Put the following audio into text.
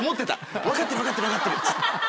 「分かってる分かってる分かってる」。